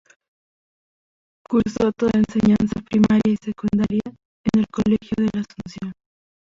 Cursó toda la enseñanza primaria y secundaria en el colegio de la Asunción.